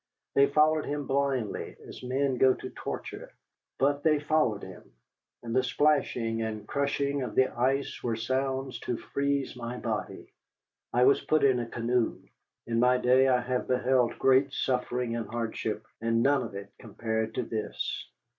They followed him blindly, as men go to torture, but they followed him, and the splashing and crushing of the ice were sounds to freeze my body. I was put in a canoe. In my day I have beheld great suffering and hardship, and none of it compared to this.